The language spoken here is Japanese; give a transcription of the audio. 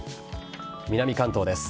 南関東です。